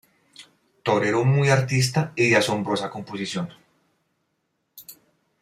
Torero muy artista y de asombrosa composición.